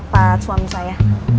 ke tempat suami saya